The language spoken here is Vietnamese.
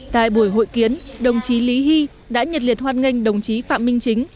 tại buổi hội kiến đồng chí lý hy đã nhiệt liệt hoan nghênh đồng chí phạm minh chính